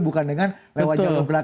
bukan dengan lewat jalan belakang